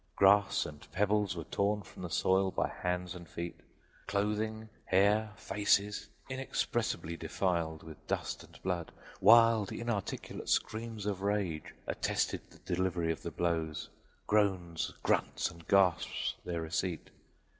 Grass and pebbles were torn from the soil by hands and feet; clothing, hair, faces inexpressibly defiled with dust and blood. Wild, inarticulate screams of rage attested the delivery of the blows; groans, grunts and gasps their receipt.